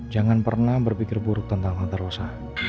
jangan pernah berpikir buruk tentang tante rosa